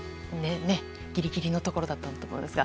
ギリギリのところだと思いますが。